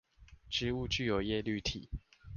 植物具有葉綠體